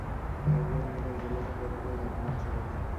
ঝাড়গ্রাম জেলার জেলাসদর হল ঝাড়গ্রাম শহর।